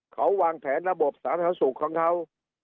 เขาวางแผนระบบสาธารณสุขของเขา